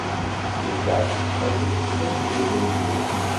Il est glabre, avec des cheveux ondulés volumineux.